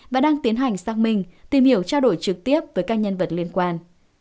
và đang tiến hành xác minh tìm hiểu trao đổi trực tiếp với các nhân vật liên quan